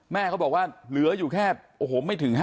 แม่เขาบอกว่าเหลืออยู่แค่โอ้โหไม่ถึง๕๐